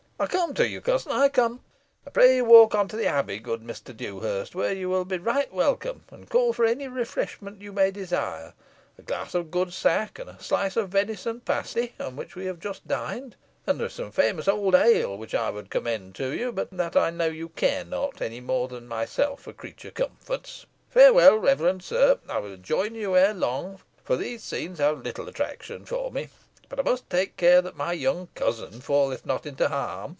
I come to you, cousin, I come. I pray you walk on to the Abbey, good Mr. Dewhurst, where you will be right welcome, and call for any refreshment you may desire a glass of good sack, and a slice of venison pasty, on which we have just dined and there is some famous old ale, which I would commend to you, but that I know you care not, any more than myself, for creature comforts. Farewell, reverend sir. I will join you ere long, for these scenes have little attraction for me. But I must take care that my young cousin falleth not into harm."